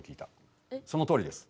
そのとおりです。